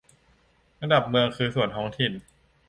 ระดับเมืองคือส่วนท้องถิ่น